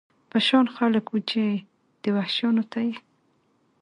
په شان خلک و، چې دې وحشیانو ته یې.